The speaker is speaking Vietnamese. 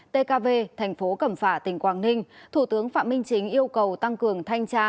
tkv thành phố cẩm phả tỉnh quảng ninh thủ tướng phạm minh chính yêu cầu tăng cường thanh tra